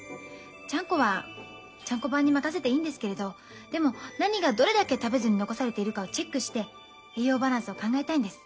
ちゃんこはちゃんこ番に任せていいんですけれどでも何がどれだけ食べずに残されているかをチェックして栄養バランスを考えたいんです。